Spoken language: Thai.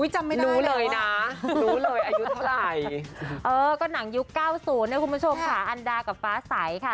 จำไม่รู้เลยนะรู้เลยอายุเท่าไหร่เออก็หนังยุค๙๐นะคุณผู้ชมค่ะอันดากับฟ้าใสค่ะ